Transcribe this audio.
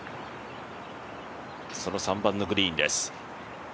その３番のグリーンです。